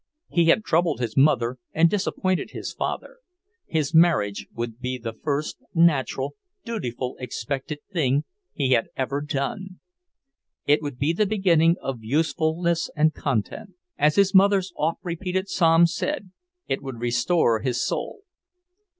He had troubled his mother and disappointed his father, His marriage would be the first natural, dutiful, expected thing he had ever done. It would be the beginning of usefulness and content; as his mother's oft repeated Psalm said, it would restore his soul.